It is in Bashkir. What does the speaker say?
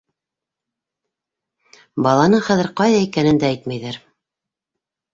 Баланың хәҙер ҡайҙа икәнен дә әйтмәйҙәр.